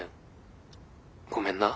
ごめんな。